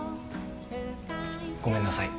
ごめんなさい。